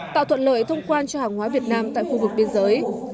tạo thuận lợi thông quan cho hàng hóa việt nam tại khu vực biên giới